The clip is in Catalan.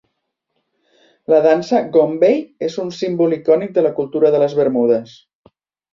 La dansa "gombey" és un símbol icònic de la cultura de les Bermudes.